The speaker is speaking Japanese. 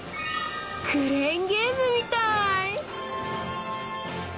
クレーンゲームみたい！